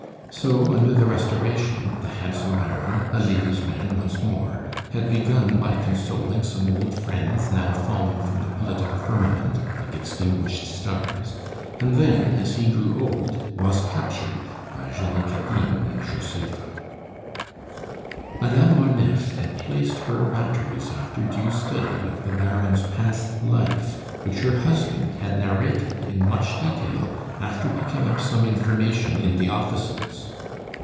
So, under the Restoration, the handsome Baron, a lady's man once more, had begun by consoling some old friends now fallen from the political firmament, like extinguished stars, and then, as he grew old, was captured by Jenny Cadine and Josepha. Madame Marneffe had placed her batteries after due study of the Baron's past life, which her husband had narrated in much detail, after picking up some information in the offices.